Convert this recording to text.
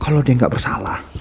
kalau dia gak bersalah